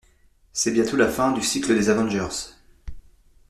C'est bientôt la fin du cycle des avengers.